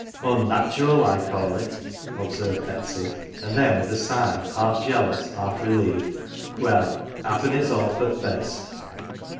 " Onnatural I call it," observed Betsy, and then with a sigh half jealous, half relieved, "well happen it's all for th' best."